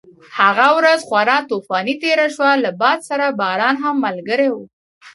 هغه ورځ خورا طوفاني تېره شوه، له باد سره باران هم ملګری و.